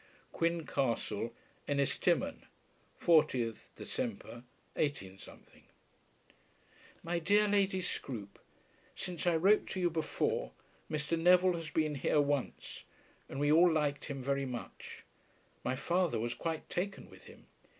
QUIN CASTLE, ENNISTIMON, 14 December, 18 . MY DEAR LADY SCROOPE, Since I wrote to you before, Mr. Neville has been here once, and we all liked him very much. My father was quite taken with him.